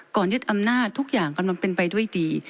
ยึดอำนาจทุกอย่างกำลังเป็นไปด้วยดี